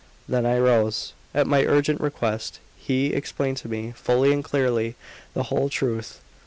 Then I rose. At my urgent request, he explained to me fully and clearly the whole truth.